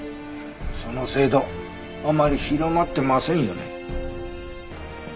その制度あまり広まってませんよね。